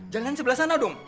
jalan sebelah sana dong